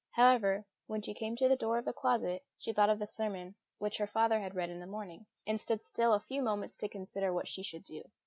However, when she came to the door of the closet, she thought of the sermon which her father had read in the morning, and stood still a few moments to consider what she should do.